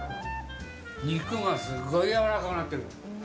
肉がすっごいやわらかくなってる。